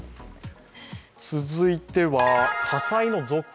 続いては、火災の続報。